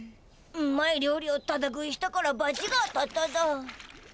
うまい料理をタダ食いしたからばちが当たっただ。